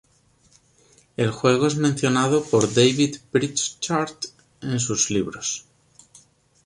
El juego es mencionado por David Pritchard en sus libros.